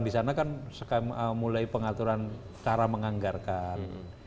kemudian ada itu skema pengaturan di sana kan mulai pengaturan cara menganggarkan